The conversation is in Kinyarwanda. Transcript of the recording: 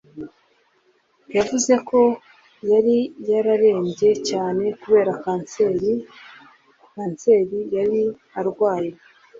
yavuze ko yari yararembye cyane kubera Cancer (kanseri) yari arwaye